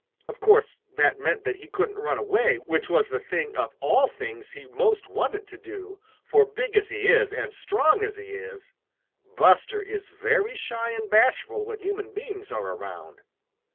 Of course, that meant that he couldn't run away, which was the thing of all things he most wanted to do, for big as he is and strong as he is, Buster is very shy and bashful when human beings are around.